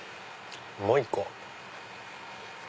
もう１個。